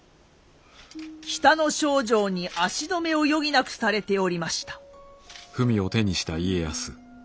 北ノ庄城に足止めを余儀なくされておりました。